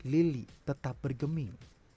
lili tetap bergeming